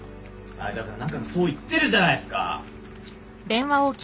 はいだから何回もそう言ってるじゃないっすか！